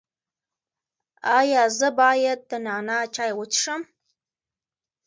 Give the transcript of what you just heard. ایا زه باید د نعناع چای وڅښم؟